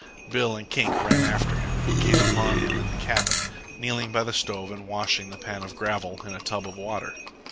Bill and Kink ran after him, and came upon him in the cabin, kneeling by the stove and washing the pan of gravel in a tub of water.